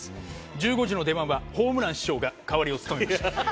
１５時の出番はホームラン師匠が代わりを務めました。